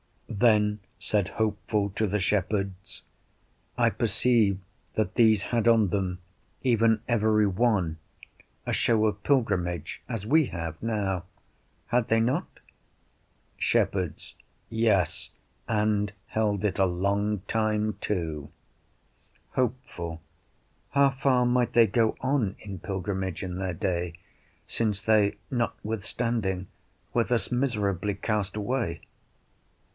Then said Hopeful to the shepherds, I perceive that these had on them, even every one, a show of pilgrimage, as we have now: had they not? Shepherds Yes, and held it a long time too. Hopeful How far might they go on in pilgrimage in their day, since they notwithstanding were thus miserably cast away?